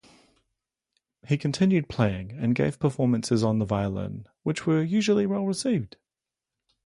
He continued playing and gave performances on the violin, which were usually well received.